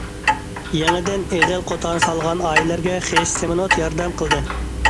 يېڭىدىن ئېغىل- قوتان سالغان ئائىلىلەرگە خىش، سېمونت ياردەم قىلدى.